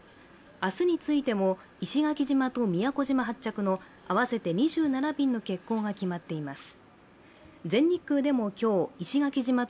明日についても、石垣島と宮古島発着の合わせて２７便の欠航が決まっています。